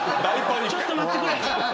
ちょっと待ってくれ。